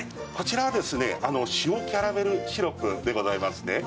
こちらは塩キャラメルシロップでございますね。